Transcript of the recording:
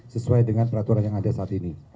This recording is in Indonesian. sesuai dengan peraturan yang ada saat ini